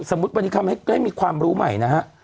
สมมุติวันนี้มีความรู้ใหม่นะฮะ